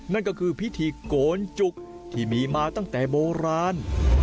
นั่นก็คือพิธีโกนจุกที่มีมาตั้งแต่โบราณ